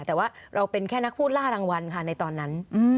แต่ว่าเราเป็นแค่นักพูดล่ารางวัลค่ะในตอนนั้น